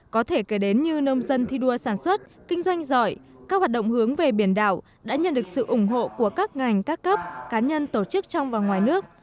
có thể kể đến như nông dân thi đua sản xuất kinh doanh giỏi các hoạt động hướng về biển đảo đã nhận được sự ủng hộ của các ngành các cấp cá nhân tổ chức trong và ngoài nước